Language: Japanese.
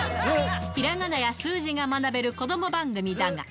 ひらがなや数字が学べる子ども番組だが。